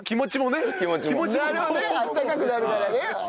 なるほどあったかくなるからね。